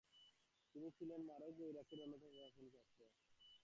তিনি ছিলেন মারুফ কারখীর অন্যতম প্রভাবশালী ছাত্র।